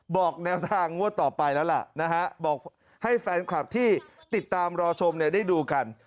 บอกแนวทางงวดต่อไปแล้วล่ะนะฮะบอกให้แฟนคลับที่ติดตามรอชมเนี่ยได้ดูกัน